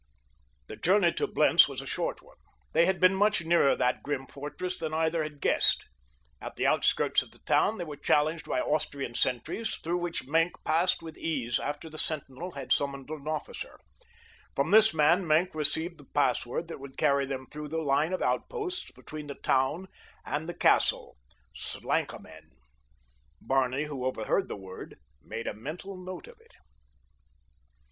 The journey to Blentz was a short one. They had been much nearer that grim fortress than either had guessed. At the outskirts of the town they were challenged by Austrian sentries, through which Maenck passed with ease after the sentinel had summoned an officer. From this man Maenck received the password that would carry them through the line of outposts between the town and the castle—"Slankamen." Barney, who overheard the word, made a mental note of it.